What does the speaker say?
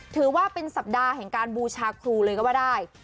ถือว่าเป็นสัปดาห์แห่งการบูชาครูเลยก็ว่าได้